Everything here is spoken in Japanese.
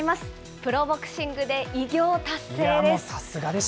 プロボクシングで偉業達成です。